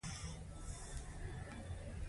د بزګرۍ کړکېچونه معمولاً له صنعتي هغو اوږد مهاله وي